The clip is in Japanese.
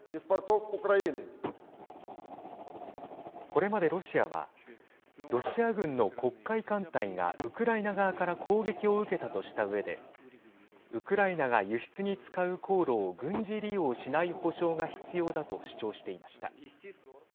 これまでロシアはロシア軍の黒海艦隊がウクライナ側から攻撃を受けたとしたうえでウクライナが輸出に使う航路を軍事利用しない保証が必要だと主張していました。